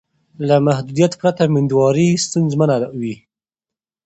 له محدودیت پرته میندواري ستونزمنه وي.